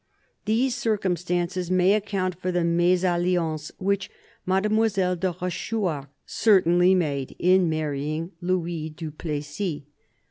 These circumstances may account for the mesalliance which Mademoiselle de Roche chouart certainly made in marrying Louis du Plessis.